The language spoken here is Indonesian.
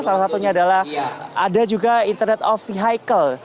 salah satunya adalah ada juga internet of vehicle